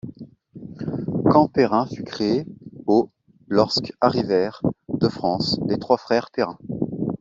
Camp-Perrin fut créé au lorsque arrivèrent de France les trois frères Perrin.